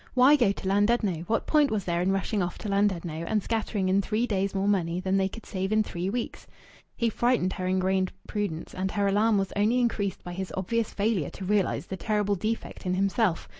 Why go to Llandudno? What point was there in rushing off to Llandudno, and scattering in three days more money than they could save in three weeks? He frightened her ingrained prudence, and her alarm was only increased by his obvious failure to realize the terrible defect in himself.